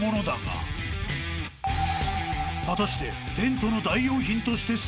［果たして］